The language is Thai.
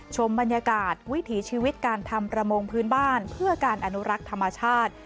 ชมบรรยากาศวิถีชีวิตการทำประมงพื้นบ้านเพื่อการอนุรักษ์ธรรมชาติ